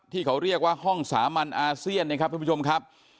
ที่เขาเรียกว่าห้องสามัญอาเซียนนะครับ